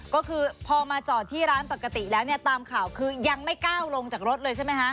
ก็คือพอมาจอดที่ร้านปกติแล้วเนี่ยตามข่าวคือยังไม่ก้าวลงจากรถเลยใช่ไหมคะ